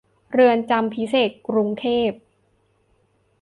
เรือนจำพิเศษกรุงเทพ